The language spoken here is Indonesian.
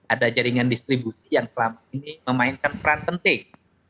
ada jaringan distribusi yang selama ini memainkan peran penting